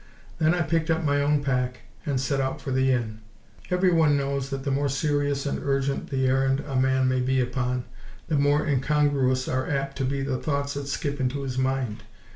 Then I picked up my own pack and set out for the inn. Every one knows that the more serious and urgent the errand a man may be upon, the more incongruous are apt to be the thoughts that skip into his mind.